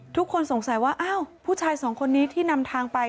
ทุกคนสงสัยว่าอ้าวผู้ชายสองคนนี้ที่นำทางไป